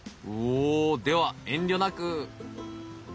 おおでは遠慮なく。